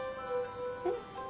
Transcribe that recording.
えっ？